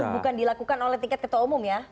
tapi itu kan bukan dilakukan oleh tiket ketua umum ya